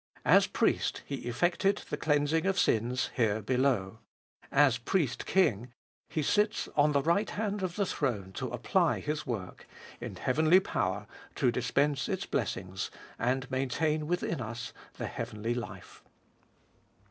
As Priest He effected the cleansing of sins here below ; as Priest King He sits on the right hand of the throne to apply His work, in heavenly power to dispense its blessings, and maintain within us the heavenly life.